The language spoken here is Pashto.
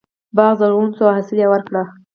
باغ زرغون شو او حاصل یې ورکړ.